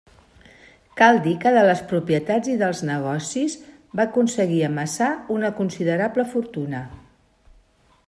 Cal dir que de les propietats i dels negocis va aconseguir amassar una considerable fortuna.